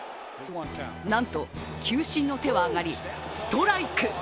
なんと球審の手は上がり、ストライク。